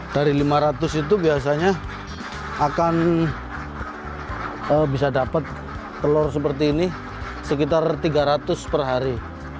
dari lima ratus itu biasanya akan bisa dapat telur seperti ini sekitar tiga ratus per hari